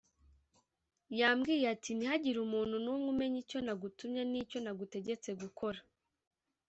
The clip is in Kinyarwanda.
Yambwiye ati ntihagire umuntu n’umwe umenya icyo nagutumye n’icyo nagutegetse gukora